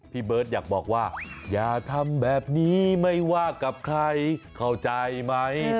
พี่เบิร์ตอยากบอกว่าอย่าทำแบบนี้ไม่ว่ากับใครเข้าใจไหม